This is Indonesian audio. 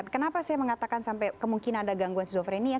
kenapa saya mengatakan sampai kemungkinan ada gangguan szofrenia